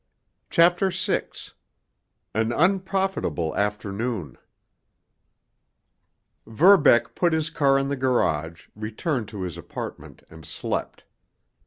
CHAPTER VI—AN UNPROFITABLE AFTERNOON Verbeck put his car in the garage, returned to his apartment and slept.